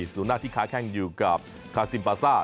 ศูนย์หน้าที่ค้าแข้งอยู่กับคาซิมปาซ่า